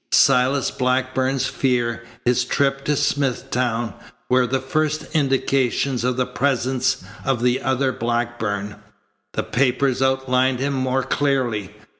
Silas Blackburn's fear, his trip to Smithtown, were the first indications of the presence of the other Blackburn. The papers outlined him more clearly.